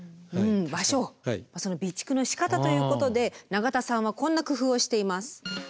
その備蓄のしかたということで永田さんはこんな工夫をしています。